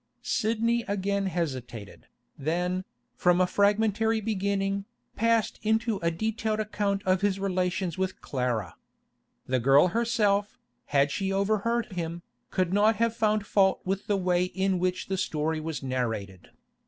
Sidney again hesitated, then, from a fragmentary beginning, passed into a detailed account of his relations with Clara. The girl herself, had she overheard him, could not have found fault with the way in which the story was narrated.